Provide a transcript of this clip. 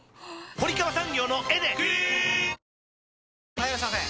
・はいいらっしゃいませ！